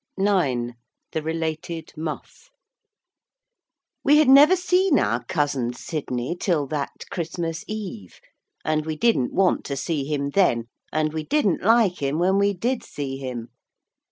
IX THE RELATED MUFF We had never seen our cousin Sidney till that Christmas Eve, and we didn't want to see him then, and we didn't like him when we did see him.